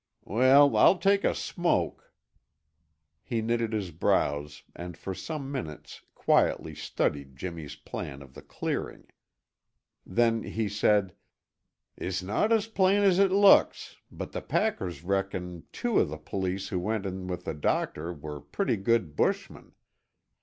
Weel, I'll take a smoke " He knitted his brows and for some minutes quietly studied Jimmy's plan of the clearing. Then he said, "It's no' as plain as it looks, but the packers reckoned two o' the police who went in with the doctor were pretty good bushmen.